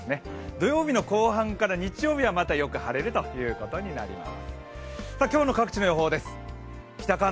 土曜日の後半から日曜日はまたよく晴れるということになります。